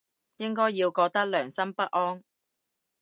應該要覺得良心不安